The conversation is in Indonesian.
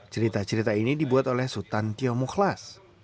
cerita cerita ini dibuat oleh sultan tio mukhlas